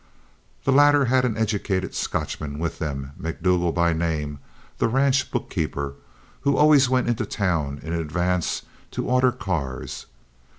The latter had an educated Scotchman with them, McDougle by name, the ranch bookkeeper, who always went into town in advance to order cars.